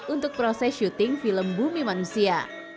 untuk proses syuting film bumi manusia